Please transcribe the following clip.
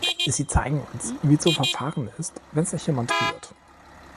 Sie zeigen uns, wie zu verfahren ist, wenn sich jemand rührt.